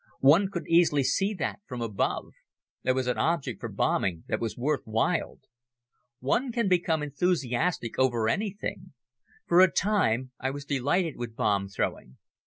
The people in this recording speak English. One could easily see that from above. There was an object for bombing that was worth while. One can become enthusiastic over anything. For a time I was delighted with bomb throwing.